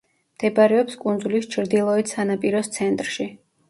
მდებარეობს კუნძულის ჩრდილოეთ სანაპიროს ცენტრში.